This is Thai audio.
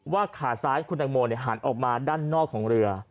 ขาซ้ายคุณตังโมหันออกมาด้านนอกของเรือ